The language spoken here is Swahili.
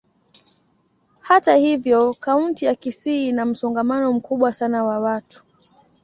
Hata hivyo, kaunti ya Kisii ina msongamano mkubwa sana wa watu.